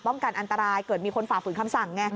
ป้องกันอันตรายเกิดมีคนฝากฝืนคำสั่ง